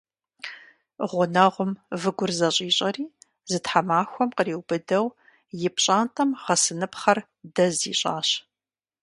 Гъунэгъум выгур зэщӀищӀэри зы тхьэмахуэм къриубыдэу и пщӀантӀэм гъэсыныпхъэр дэз ищӀащ.